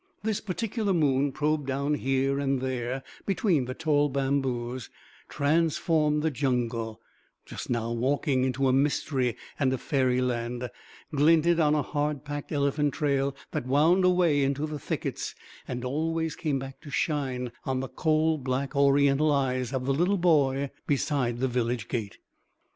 This particular moon probed down here and there between the tall bamboos, transformed the jungle just now waking into a mystery and a fairyland, glinted on a hard packed elephant trail that wound away into the thickets, and always came back to shine on the coal black Oriental eyes of the little boy beside the village gate.